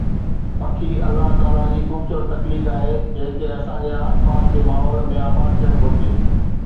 پکي الله تعاليٰ جي خوبصورت تخليق آهي، جنهن کي اسان جي آس پاس جي ماحول ۾ آباد ٿيڻ گهرجي